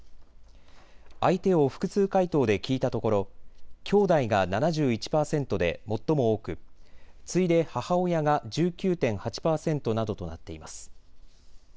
相手を複数回答で聞いたところきょうだいが７１％で最も多く、次いで母親が１９．８％などとなっています。